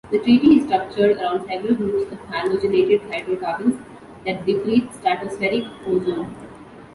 The treaty is structured around several groups of halogenated hydrocarbons that deplete stratospheric ozone.